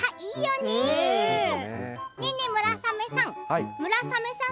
ねえねえ、村雨さん